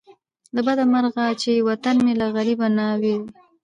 له بده مرغه چې وطن مې لکه غریبه ناوې وو.